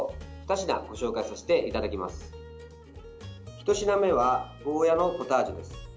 １品目はゴーヤーのポタージュです。